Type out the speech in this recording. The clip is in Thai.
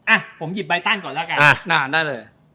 อ่ะผมหยิบใบตั้นก่อนแล้วกัน